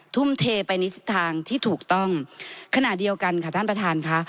ทุ่มเทไปในทิศทางที่ถูกต้องขณะเดียวกันค่ะท่านประธานค่ะ